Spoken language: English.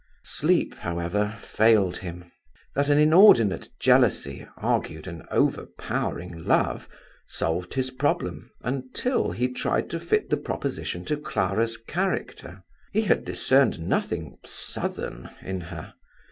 Sleep, however, failed him. That an inordinate jealousy argued an overpowering love, solved his problem until he tried to fit the proposition to Clara's character. He had discerned nothing southern in her.